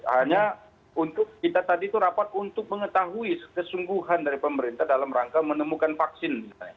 hanya untuk kita tadi itu rapat untuk mengetahui kesungguhan dari pemerintah dalam rangka menemukan vaksin